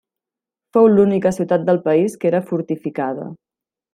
Fou l'única ciutat del país que era fortificada.